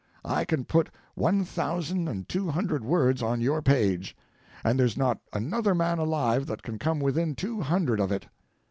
I can put one thousand and two hundred words on your page, and there's not another man alive that can come within two hundred of it.